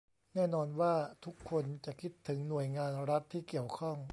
แน่นอนว่าทุกคนจะคิดถึงหน่วยงานรัฐที่เกี่ยวข้อง